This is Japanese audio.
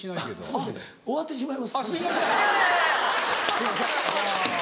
すいません。